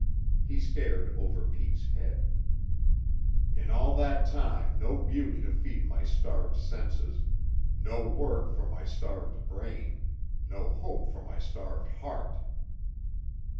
He stared over Pete's head. "In all that time no beauty to feed my starved senses, no work for my starved brain, no hope for my starved heart."